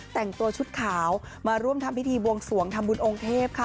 แต่งตัวชุดขาวมาร่วมทำพิธีบวงสวงทำบุญองค์เทพค่ะ